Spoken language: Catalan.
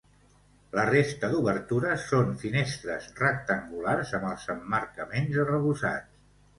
La resta d'obertures són finestres rectangulars amb els emmarcaments arrebossats.